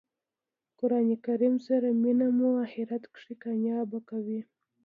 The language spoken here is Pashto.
قران کریم سره مینه مو آخرت کښي کامیابه کوي.